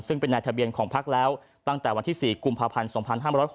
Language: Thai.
ซึ่งเป็นนายทะเบียนของพักแล้วตั้งแต่วันที่๔กุมภาพันธ์๒๕๖๖